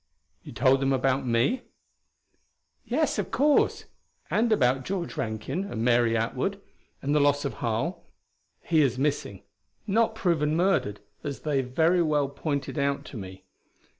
"You told them about me?" "Yes, of course; and about George Rankin, and Mary Atwood. And the loss of Harl: he is missing, not proven murdered, as they very well pointed out to me.